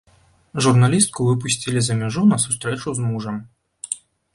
Журналістку выпусцілі за мяжу на сустрэчу з мужам.